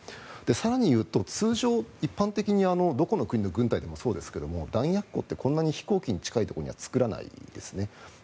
更に言うと通常、一般的にどこの国の軍隊でもそうですが弾薬庫ってこんなに飛行機に近いところには作らないですね。